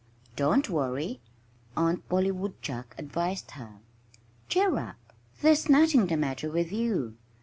"Don't worry!" Aunt Polly Woodchuck advised her. "Cheer up! There's nothing the matter with you.